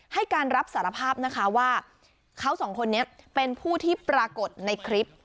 ให้การรับสารภาพนะคะว่าเขาสองคนนี้เป็นผู้ที่ปรากฏในคลิป